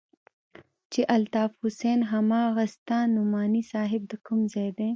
چې الطاف حسين هماغه ستا نعماني صاحب د کوم ځاى دى.